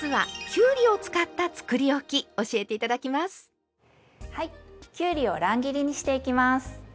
きゅうりを乱切りにしていきます。